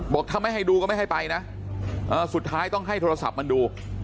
บอกถ้าไม่ให้ดูก็ไม่ให้ไปนะสุดท้ายต้องให้โทรศัพท์มันดู